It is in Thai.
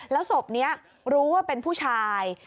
แล้วศพนี้รู้ว่าเป็นผู้ชาย